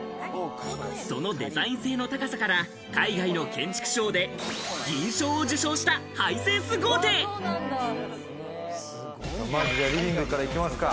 そのデザイン性の高さから、海外の建築賞で銀賞を受賞したハまずリビングからいきますか。